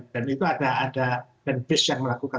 dan itu ada yang melakukan